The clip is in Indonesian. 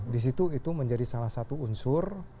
di situ itu menjadi salah satu unsur